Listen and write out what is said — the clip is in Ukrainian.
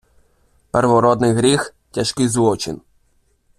Первородний гріх - тяжкий злочин